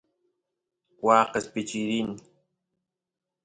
waa qeshpichiy rin